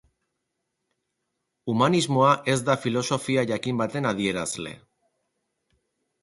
Humanismoa ez da filosofia jakin baten adierazle.